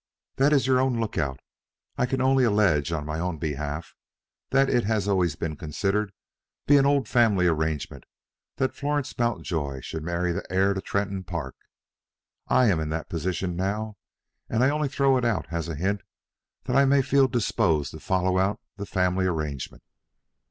That is your own lookout. I can only allege, on my own behalf, that it has always been considered to be an old family arrangement that Florence Mountjoy shall marry the heir to Tretton Park. I am in that position now, and I only throw it out as a hint that I may feel disposed to follow out the family arrangement.